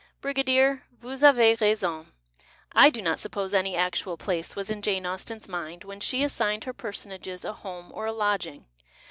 Brigadier, vous avez raison ! I do not suppose any actual place was in Jane Austen's mind when she assigned her personages a home or a lodging.